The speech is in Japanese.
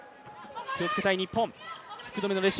気をつけたい日本。